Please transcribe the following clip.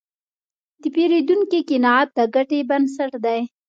د پیرودونکي قناعت د ګټې بنسټ دی.